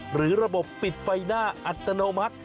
หรือระบบปิดไฟหน้าอัตโนมัติ